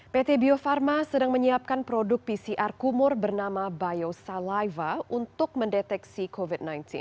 pt bio farma sedang menyiapkan produk pcr kumur bernama biosaliva untuk mendeteksi covid sembilan belas